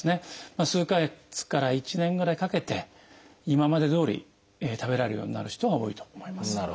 数か月から１年ぐらいかけて今までどおり食べられるようになる人が多いと思います。